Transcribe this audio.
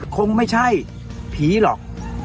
คงไม่ใช่ผีหรอก